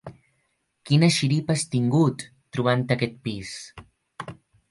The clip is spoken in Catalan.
Quina xiripa has tingut, trobant aquest pis!